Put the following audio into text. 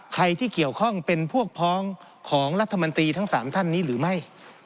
ใครที่เกี่ยวข้องเป็นพวกพ้องของรัฐมนตรีทั้ง๓ท่านนี้หรือไม่